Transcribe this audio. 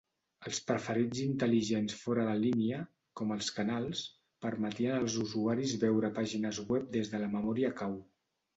Els preferits intel·ligents fora de línia, com els canals, permetien als usuaris veure pàgines web des de la memòria cau.